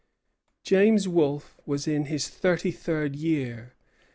James Wolfe was in his thirty third year.